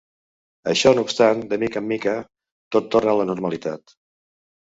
Això no obstant, de mica en mica tot torna a la normalitat.